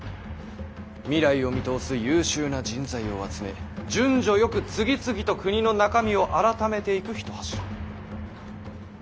未来を見通す優秀な人材を集め順序よく次々と国の中身を改めていく一柱。